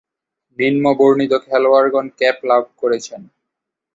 নিম্নবর্ণিত খেলোয়াড়গণ ক্যাপ লাভ করেছেন।